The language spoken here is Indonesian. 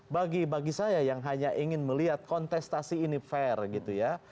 bagi bagi saya yang hanya ingin melihat kontestasi ini fair gitu ya